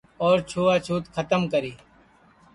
اور چھوا چھوت کھتم کری